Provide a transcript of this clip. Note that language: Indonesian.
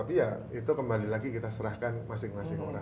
itu kembali lagi kita serahkan masing masing orang